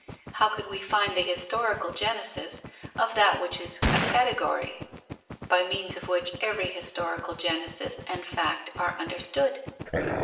How can we find the historical genesis of that which is a category, by means of which every historical genesis and fact are understood?